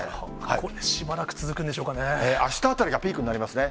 これ、しばらく続くんでしょあしたあたりがピークになりますね。